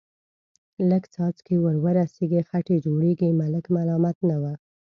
لږ څاڅکي ور ورسېږي، خټې جوړېږي، ملک ملامت نه و.